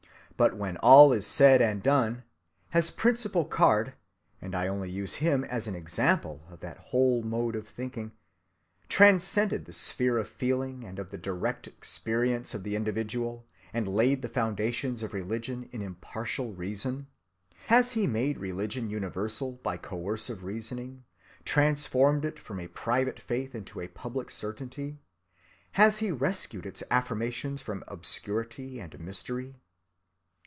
But when all is said and done, has Principal Caird—and I only use him as an example of that whole mode of thinking—transcended the sphere of feeling and of the direct experience of the individual, and laid the foundations of religion in impartial reason? Has he made religion universal by coercive reasoning, transformed it from a private faith into a public certainty? Has he rescued its affirmations from obscurity and mystery?